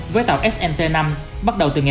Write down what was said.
với tàu snt năm bắt đầu từ ngày một